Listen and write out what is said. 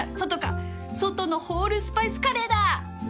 外のホールスパイスカレーだ！